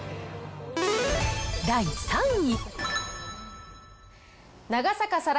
第３位。